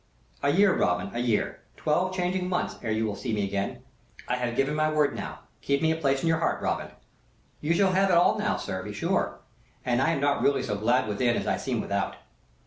"A year, Robin, a year! Twelve changing months ere you will see me again. I have given my word now. Keep me a place in your heart, Robin." "You have it all now, sir, be sure, and I am not really so glad within as I seem without."